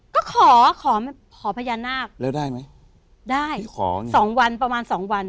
ก็ขอขอพญานาคแล้วได้ไหมได้ขอสองวันประมาณสองวัน